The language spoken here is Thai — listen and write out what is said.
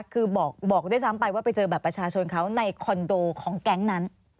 คือบอกด้วยซ้ำไปว่าไปเจอบัตรประชาชนเขาในคอนโดของแก๊งนั้น